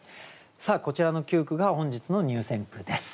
こちらの９句が本日の入選句です。